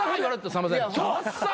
さんまさんに。